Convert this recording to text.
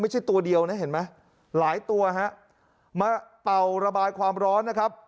ตัวเดียวนะเห็นไหมหลายตัวฮะมาเป่าระบายความร้อนนะครับ